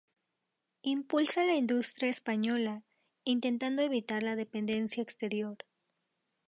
Impulsa la industria española, intentando evitar la dependencia exterior.